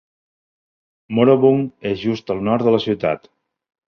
Morobung és just al nord de la ciutat.